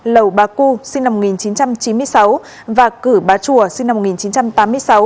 lầu bá cư sinh năm một nghìn chín trăm chín mươi sáu và cử bà chùa sinh năm một nghìn chín trăm tám mươi sáu